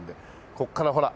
ここからほら。